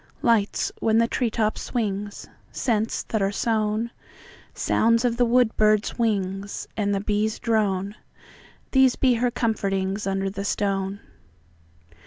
Lights, when the tree top swings; Scents that are sown; Sounds of the wood bird's wings; And the bee's drone:These be her comfortingsUnder the stone.